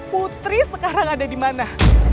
putri sekarang ada di mana